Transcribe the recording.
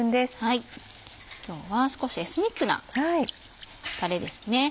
今日は少しエスニックなタレですね。